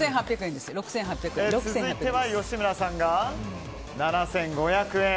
続いては、吉村さんが７５００円。